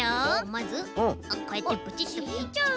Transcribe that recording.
まずこうやってブチッときっちゃう。